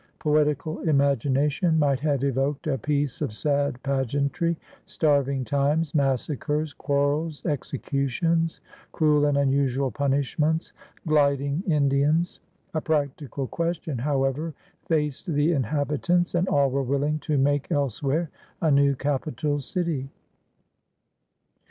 Poetical imagination might have evoked a piece of sad pageantry — starving times, massacres, quarrels, executions, cruel and unusual punishments, gliding Indians. A prac tical question, however, faced the inhabitants, and all were willing to make elsewhere a new capital city.